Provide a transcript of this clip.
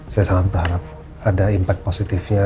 saya sangat berharap ada impact positifnya